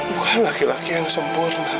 bukan laki laki yang sempurna